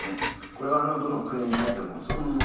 これはどの国にとってもそうですね。